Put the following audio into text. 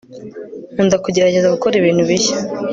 nkunda kugerageza gukora ibintu bishya